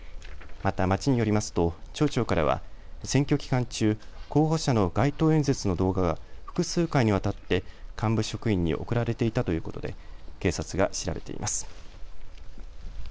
また、町によりますと町長からは選挙期間中、候補者の街頭演説の動画が複数回にわたって幹部職員に送られていたということで警察が調べています。